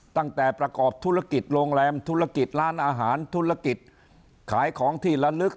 ตั้งแต่ประกอบธุรกิจโรงแรมธุรกิจร้านอาหารธุรกิจขายของที่ละลึก